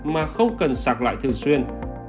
mà không cần sạc lại thường xuyên